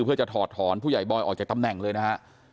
เพื่อจะถอดถอนผู้ใหญ่บอยออกจากตำแหน่งเลยนะฮะ